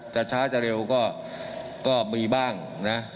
จะช้าจะเร็วก็มีบ้างนะ